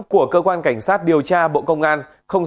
của cơ quan cảnh sát điều tra bộ công an